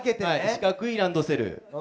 四角いランドセル。